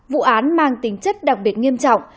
vụ án mang tính chất đặc biệt nghiêm trọng